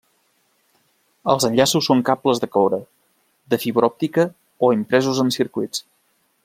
Els enllaços són cables de coure, de fibra òptica o impresos en circuits.